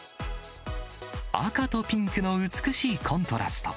赤とピンクの美しいコントラスト。